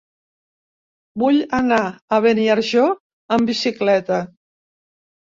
Vull anar a Beniarjó amb bicicleta.